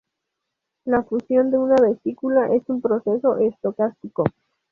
La fusión de una vesícula es un proceso estocástico.